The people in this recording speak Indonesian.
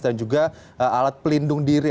dan juga alat pelindung diri